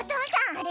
あれ？